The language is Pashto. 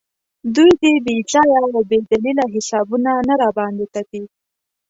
دوی دې بې ځایه او بې دلیله حسابونه نه راباندې تپي.